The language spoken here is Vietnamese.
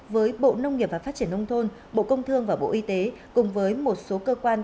với bộ nông nghiệp và phát triển nông thôn